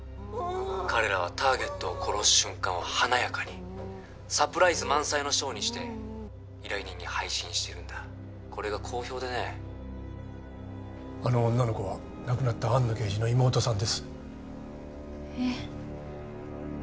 彼らはターゲットを殺す瞬間を華やかにサプライズ満載のショーにして依頼人に配信してるんだこれが好評でねあの女の子は亡くなった安野刑事の妹さんですえっ！？